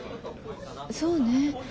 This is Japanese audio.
そうねぇ。